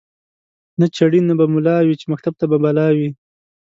نه چړي نه به مُلا وی چي مکتب ته به بلا وي